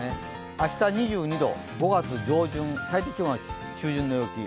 明日２２度、５月上旬、最低気温は中旬の陽気。